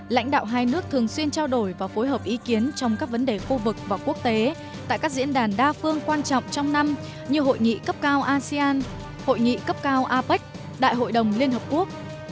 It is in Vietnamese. lãnh đạo hai nước thường xuyên trao đổi và phối hợp ý kiến trong các vấn đề khu vực và quốc tế tại các diễn đàn đa phương quan trọng trong năm như hội nghị cấp cao asean hội nghị cấp cao apec đại hội đồng liên hợp quốc